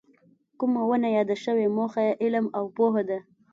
کومه ونه یاده شوې موخه یې علم او پوهه ده.